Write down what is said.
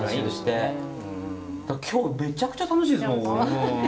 今日めちゃくちゃ楽しいですもん。